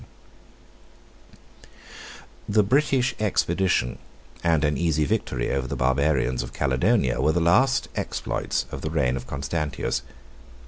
] The British expedition, and an easy victory over the barbarians of Caledonia, were the last exploits of the reign of Constantius.